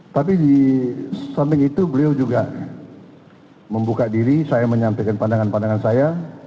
tapi di samping itu beliau juga membuka diri saya menyampaikan pandangan pandangan saya